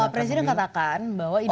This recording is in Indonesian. pak presiden katakan bahwa ide